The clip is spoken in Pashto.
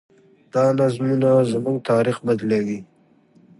دا نظمونه زموږ تاریخ بدلوي.